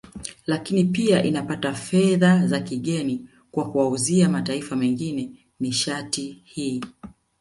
Lakini pia inapata fedha za kigeni kwa kuwauzia mataifa mengine nishati hii